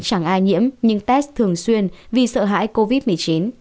chẳng ai nhiễm nhưng test thường xuyên vì sợ hãi covid một mươi chín